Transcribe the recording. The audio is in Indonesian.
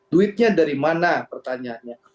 duitnya dari mana pertanyaannya